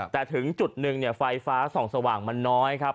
แต่ถึงจุดหนึ่งไฟฟ้าส่องสว่างมันน้อยครับ